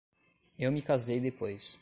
Eu me casei depois.